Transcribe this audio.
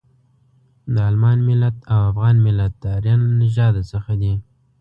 د المان ملت او افغان ملت د ارین له نژاده څخه دي.